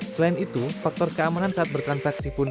selain itu faktor keamanan saat bertransaksi pun